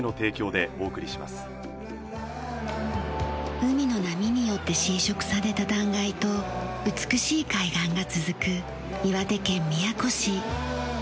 海の波によって浸食された断崖と美しい海岸が続く岩手県宮古市。